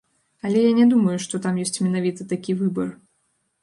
Але я не думаю, што там ёсць менавіта такі выбар.